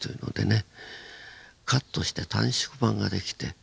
カットして短縮版が出来て。